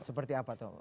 seperti apa tuh